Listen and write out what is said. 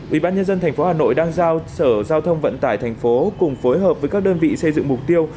ủy ban nhân dân thành phố hà nội đang giao sở giao thông vận tải thành phố cùng phối hợp với các đơn vị xây dựng mục tiêu